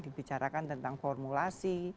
dibicarakan tentang formulasi